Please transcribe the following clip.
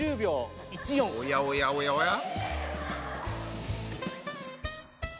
おやおやおやおや？